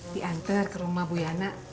dianter ke rumah bu yana tiga puluh sembilan